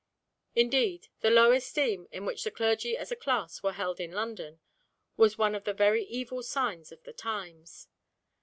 Indeed, the low esteem in which the clergy as a class were held in London was one of the very evil signs of the times.